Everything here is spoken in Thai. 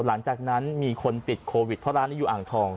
หลังจากนั้นมีคนติดโควิดเพราะร้านนี้อยู่อ่างทอง